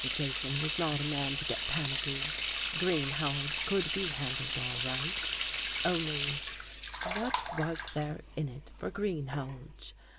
Jason was not a man to get panicky. Greenhalge could be handled all right, only what was there in it for Greenhalge?